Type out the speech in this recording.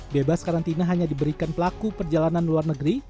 bebas karantina hanya diberikan pelaku perjalanan luar negeri